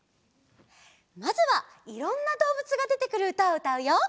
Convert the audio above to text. まずはいろんなどうぶつがでてくるうたをうたうよ。